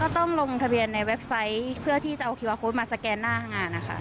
ต้องลงทะเบียนในเว็บไซต์เพื่อที่จะเอาคิวาโค้ดมาสแกนหน้างานนะคะ